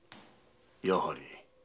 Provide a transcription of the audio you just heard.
やはり。